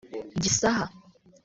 Gisaha